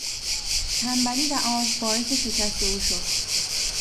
تنبلی و آز باعث شکست او شد.